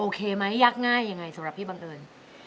ไหมยากง่ายยังไงสำหรับพี่บังเอิญ